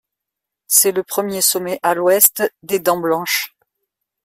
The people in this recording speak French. C'est le premier sommet à l'ouest des dents Blanches.